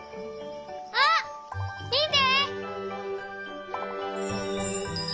あっ！みて！